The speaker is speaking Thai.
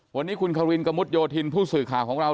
วันนี้คุณควินกระมุดโยธินผู้สื่อข่าวของเรา